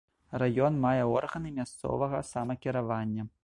Раён мае органы мясцовага самакіравання.